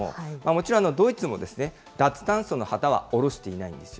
もちろんドイツもですね、脱炭素の旗は降ろしていないんです。